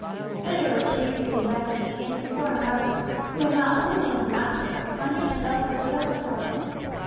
Bitter were Teresa's invectives against the foreign robbers, who had not only killed her master, but plundered his helpless widow and orphan.